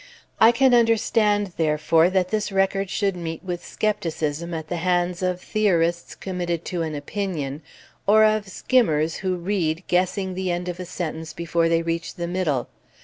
I can understand, therefore, that this record should meet with skepticism at the hands of theorists committed to an opinion, or of skimmers who read guessing the end of a sentence before they reach the middle.